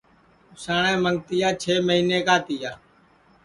اُساٹؔیں منگتِیا چھ مہینے کا تِیا